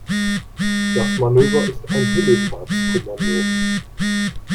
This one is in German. Das Manöver ist ein Himmelfahrtskommando.